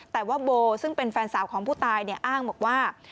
แต่ว่าโบซึ่งเป็นแฟนสาวของผู้ตายอ้างบอกว่า